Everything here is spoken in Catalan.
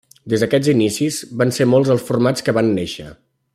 Des d'aquests inicis, van ser molts els formats que van néixer.